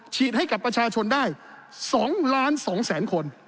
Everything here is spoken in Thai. ให้กับประชาชนได้๒ล้าน๒๒๐๐๐คน